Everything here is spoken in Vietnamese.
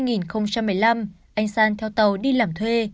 năm hai nghìn một mươi năm anh san theo tàu đi làm thuê